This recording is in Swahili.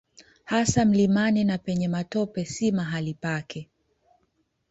Hasa mlimani na penye matope si mahali pake.